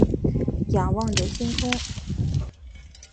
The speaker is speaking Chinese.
仰望着星空